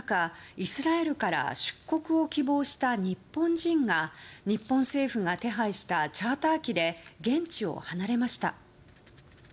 イスラエルから出国を希望した日本人が日本政府が手配したチャーター機で現地を離れました。